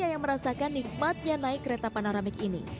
saya juga merasakan nikmatnya saat menaik kereta panoramik ini